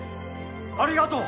ありがとう！